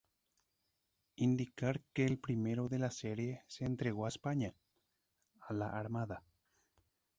Indicar que el primero de la serie se entregó a España, a la Armada.